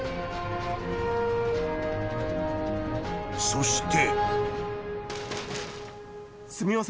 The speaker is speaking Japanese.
［そして］